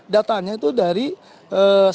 datanya itu dari eee